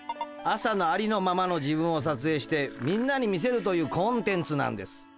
朝のありのままの自分をさつえいしてんなに見せるというコンテンツなんです。